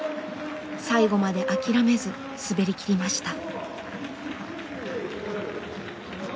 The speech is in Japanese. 最後まで諦めず滑りきりました。